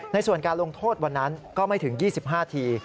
ส่วนการลงโทษวันนั้นก็ไม่ถึง๒๕ที